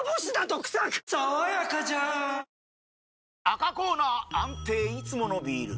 赤コーナー安定いつものビール！